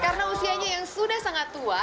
karena usianya yang sudah sangat tua